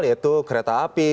yaitu kereta api